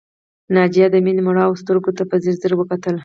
ناجیه د مينې مړاوو سترګو ته په ځير ځير وکتل